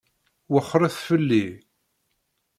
Wexxṛet fell-i.